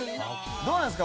どうなんですか？